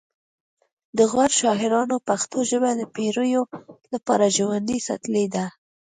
د غور شاعرانو پښتو ژبه د پیړیو لپاره ژوندۍ ساتلې ده